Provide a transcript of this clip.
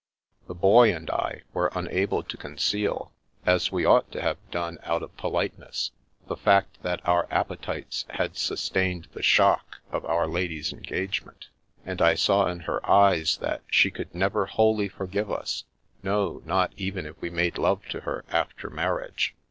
The Boy and I were un able to conceal, as we ought to have done out of politeness, the fact that our appetites had sus tained the shock of our lady's engagement, and I saw in her eyes that she could never wholly for give us, no, not even if we made love to her after marriage.